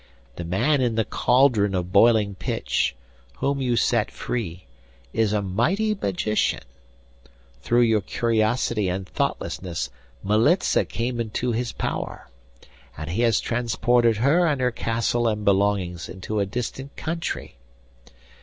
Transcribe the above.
The man in the cauldron of boiling pitch, whom you set free, is a mighty magician; through your curiosity and thoughtlessness Militza came into his power, and he has transported her and her castle and belongings into a distant country.